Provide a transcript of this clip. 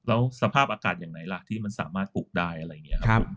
แล้วสภาพอากาศอย่างไหนล่ะที่มันสามารถปลูกได้อะไรอย่างนี้ครับ